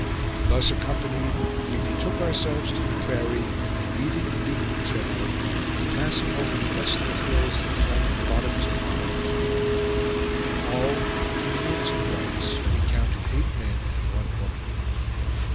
Thus accompanied, we betook ourselves to the prairie, leaving the beaten trail, and passing over the desolate hills that flank the bottoms of Laramie Creek. In all, Indians and whites, we counted eight men and one woman.